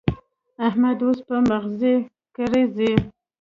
احمد اوس په مغزي ګرزي.